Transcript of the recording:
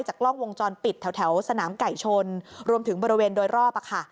กล้องวงจรปิดแถวสนามไก่ชนรวมถึงบริเวณโดยรอบ